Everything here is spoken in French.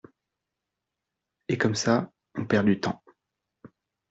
Et comme ça on perd du temps.